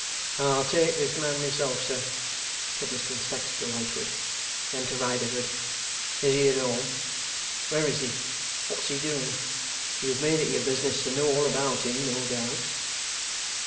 'I'll take this man myself, sir,' said Mr Inspector to Lightwood. Then to Riderhood, 'Is he at home? Where is he? What's he doing? You have made it your business to know all about him, no doubt.